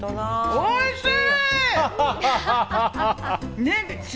おいしい！